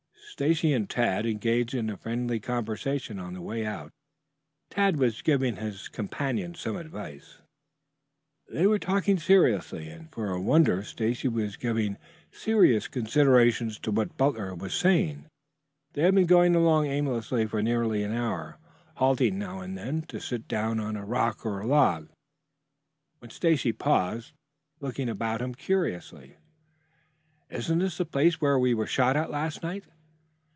Stacy and Tad engaged in a friendly conversation on the way out. Tad was giving his companion some advice. They were talking seriously and for a wonder Stacy was giving serious consideration to what Butler was saying. They had been going along aimlessly for nearly an hour, halting now and then to sit down on a rock or a log, when Stacy paused, looking about him curiously. "Isn't this the place where we were shot at last night?"